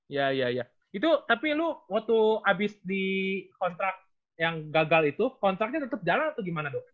iya iya iya itu tapi lu waktu abis di kontrak yang gagal itu kontraknya tetep jalan atau gimana do